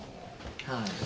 はい。